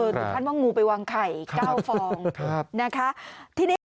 ท่านว่างงูไปวางไข่๙ฟองนะครับ